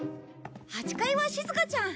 ８階はしずかちゃん。